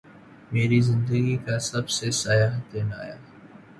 میری زندگی کا سب سے سیاہ دن آیا